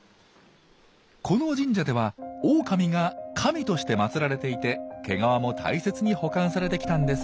この神社ではオオカミが神として祭られていて毛皮も大切に保管されてきたんです。